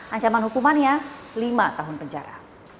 ancaman hukumannya lima tahun penjara